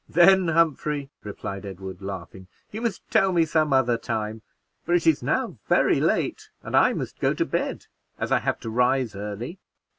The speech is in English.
"Then, Humphrey," replied Edward, laughing, "you must tell me some other time, for it is now very late, and I must go to bed, as I have to rise early.